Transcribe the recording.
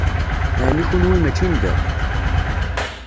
Ɛni kenwi mačči n da?